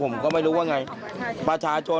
ร้วมขึ้นต้นกับเมืองของประชาชน